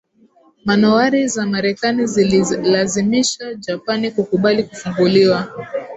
manowari za Marekani ziliilazimisha Japani kukubali kufunguliwa